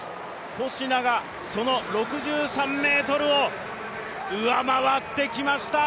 コシナがその６３ｍを上回ってきました。